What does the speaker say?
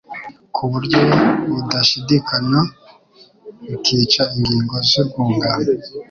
ku buryo budashidikanywa, bikica ingingo z’urwungano